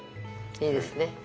いいですね。